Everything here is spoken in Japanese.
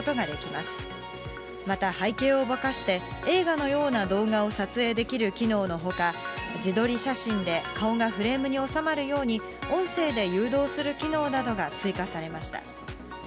また背景をぼかして、映画のような動画を撮影できる機能のほか、自撮り写真で顔がフレームに収まるように、音声で誘導する機能などが追加されました。